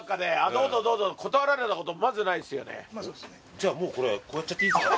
じゃあもうこれこうやっちゃっていいっすか？